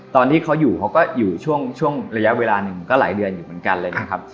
ตอนที่เขาอยู่เขาก็อยู่ช่วงระยะเวลาหนึ่งก็หลายเดือนอยู่เหมือนกันเลยนะครับ